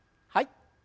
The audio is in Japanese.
はい。